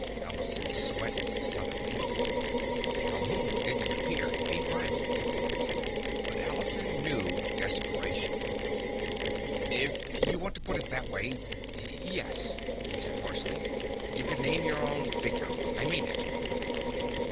Allison sweated suddenly. Calhoun didn't appear to be bribable. But Allison knew desperation. "If you want to put it that way—yes," he said harshly. "You can name your own figure. I mean it!"